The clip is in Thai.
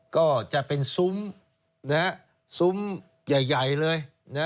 ก็จะเป็นซุ้มซุ้มใหญ่เลย